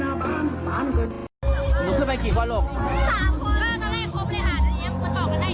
เพราะคุณเข้าไปว่าก็กันด้วยค่ะ